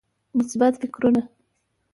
مثبت فکرونه